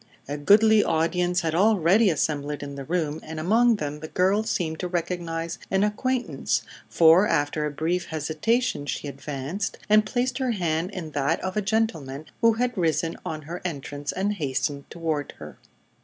A goodly audience had already assembled in the room, and among them the girl seemed to recognize an acquaintance, for after a brief hesitation she advanced and placed her hand in that of a gentleman who had risen on her entrance and hastened toward her.